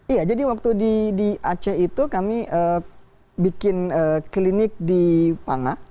iya jadi waktu di aceh itu kami bikin klinik di panga